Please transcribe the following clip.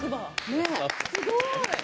すごい。